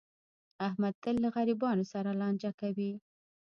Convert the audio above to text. احمد تل له غریبانو سره لانجه کوي.